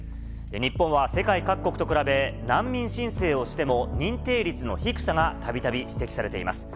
日本は世界各国と比べ、難民申請をしても、認定率の低さがたびたび指摘されています。